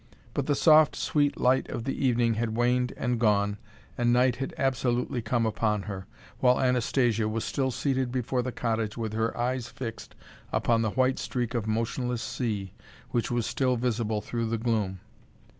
But the soft, sweet light of the evening had waned and gone, and night had absolutely come upon her, while Anastasia was still seated before the cottage with her eyes fixed upon the white streak of motionless sea which was still visible through the gloom.